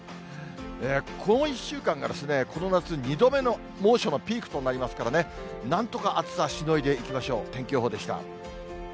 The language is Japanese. この１週間が、この夏２度目の猛暑のピークとなりますからね、なんとか暑さ、しのいでいきましょう。